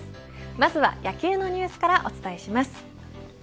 まずは野球のニュースからお伝えします。